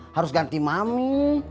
harus ganti mami